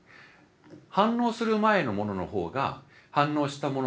反応する前のもののほうが反応したもの